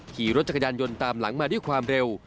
ขี่รถจักรยานยนต์ตามหลังมาด้วยความเร็ว